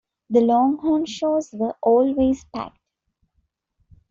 The Longhorn shows were always packed.